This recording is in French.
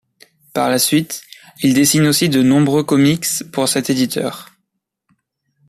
Par la suite il dessine aussi de nombreux comics pour cet éditeur.